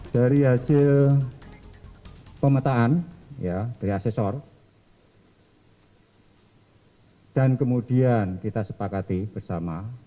dari hasil pemetaan dari asesor dan kemudian kita sepakati bersama